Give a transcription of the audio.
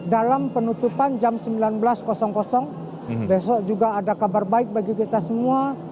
dalam penutupan jam sembilan belas besok juga ada kabar baik bagi kita semua